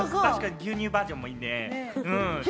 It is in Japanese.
牛乳バージョンもいいね。